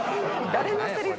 誰のセリフ？